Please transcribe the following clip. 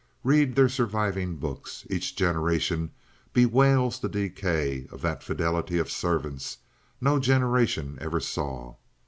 Read their surviving books. Each generation bewails the decay of that "fidelity" of servants, no generation ever saw.